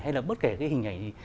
hay là bất kể cái hình ảnh gì